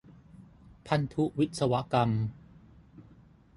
พันธุวิศวกรรม